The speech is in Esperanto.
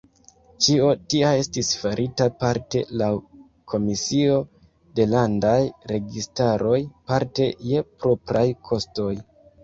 Ĉio tia estis farita parte laŭ komisio de landaj registaroj parte je propraj kostoj.